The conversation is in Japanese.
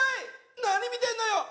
何見てんのよ！